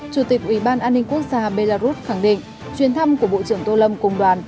chủ tịch ubnd quốc gia belarus khẳng định chuyến thăm của bộ trưởng tô lâm cùng đoàn